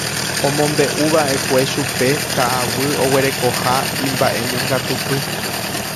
Omombe'uva'ekue chupe ka'aguy oguerekoha imba'eñongatupy.